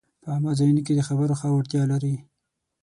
په عامه ځایونو کې د خبرو ښه وړتیا لري